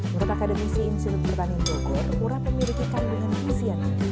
menurut akademisi insidut pertanian bogor urap memiliki kandungan krisian